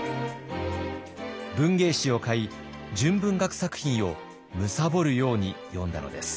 文芸誌を買い純文学作品を貪るように読んだのです。